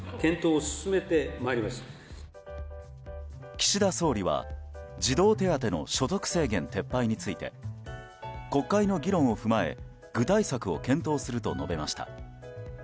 岸田総理は児童手当の所得制限撤廃について国会の議論を踏まえ具体策を検討すると述べました。